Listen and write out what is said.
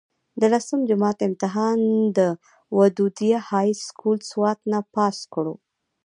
د لسم جمات امتحان د ودوديه هائي سکول سوات نه پاس کړو